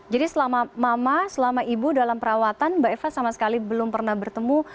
jadi selama mama selama ibu dalam perawatan mbak eva sama sekali belum pernah bertemu